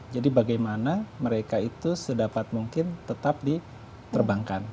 jadi bagaimana mereka itu sedapat mungkin tetap diperbangkan